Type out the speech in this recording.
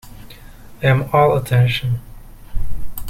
I am all attention.